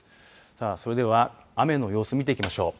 さあ、それでは雨の様子、見ていきましょう。